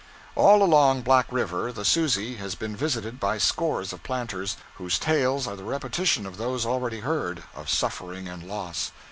All along Black River the 'Susie' has been visited by scores of planters, whose tales are the repetition of those already heard of suffering and loss.